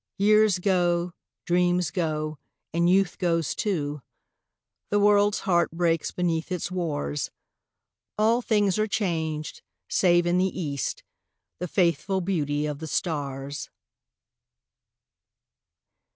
Years go, dreams go, and youth goes too, The world's heart breaks beneath its wars, All things are changed, save in the east The faithful beauty of the stars.